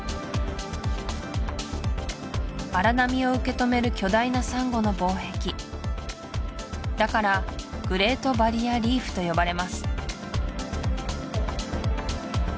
荒波を受けとめる巨大なサンゴの防壁だからグレート・バリア・リーフと呼ばれます